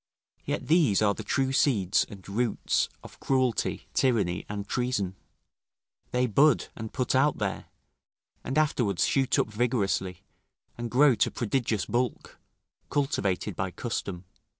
Yet these are the true seeds and roots of cruelty, tyranny, and treason; they bud and put out there, and afterwards shoot up vigorously, and grow to prodigious bulk, cultivated by custom.